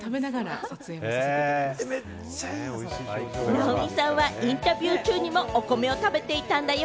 直美さんはインタビュー中にもお米を食べていたんだよ。